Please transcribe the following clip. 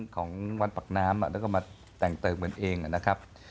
ของวันปักน้ำแล้วมาแต่งเติบเหมือนเองนะครับ